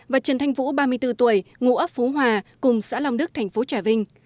và trần thanh vũ ba mươi bốn tuổi ngụ ấp phú hòa cùng xã long đức tp trà vinh